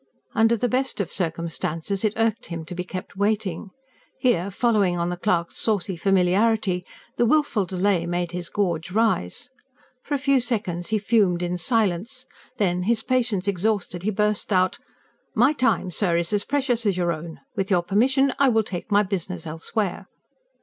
Under the best of circumstances it irked him to be kept waiting. Here, following on the clerk's saucy familiarity, the wilful delay made his gorge rise. For a few seconds he fumed in silence; then, his patience exhausted, he burst out: "My time, sir, is as precious as your own. With your permission, I will take my business elsewhere."